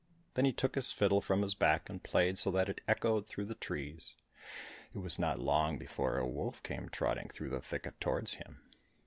Then he took his fiddle from his back, and played so that it echoed through the trees. It was not long before a wolf came trotting through the thicket towards him.